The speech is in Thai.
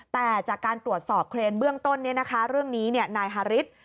แต่จากการตรวจสอบเครนเบื้องต้นเรื่องนี้นายฮาริส